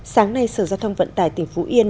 sáng nay sở giao thông vận tải tỉnh phú yên